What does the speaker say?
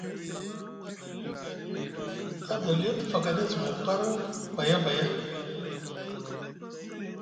Adoliyo te fakaɗi azumay par vaya vaya.